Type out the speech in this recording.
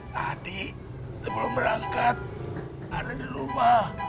tadi sebelum berangkat ada di rumah